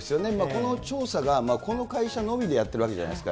この調査がこの会社のみでやってるわけじゃないですか。